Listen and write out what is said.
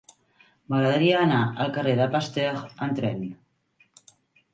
M'agradaria anar al carrer de Pasteur amb tren.